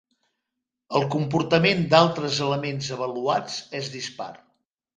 El comportament d'altres elements avaluats és dispar.